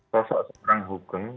sosok seorang hukum